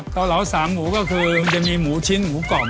เกาเหลาสามหมูขาหมูร้อยอาจารย์